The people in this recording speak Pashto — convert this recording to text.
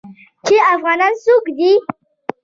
چې افغانان څوک دي.